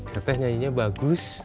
keteh nyanyinya bagus